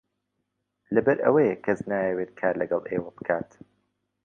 لەبەر ئەوەیە کەس نایەوێت کار لەگەڵ ئێوە بکات.